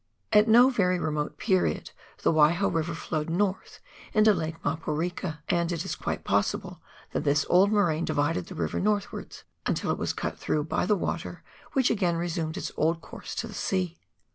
At no very remote period the Waiho River flowed north into Lake Maporika, and it is quite possible that this old moraine directed the river northwards until it was cut through by the water which again resumed its old course to the sea.